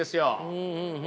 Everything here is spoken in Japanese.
うんうん。